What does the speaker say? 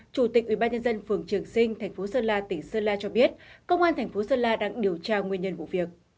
chủ tịch ủy ban nhân dân phường trường sinh tp sơn la tỉnh sơn la cho biết công an tp sơn la đang điều tra nguyên nhân vụ việc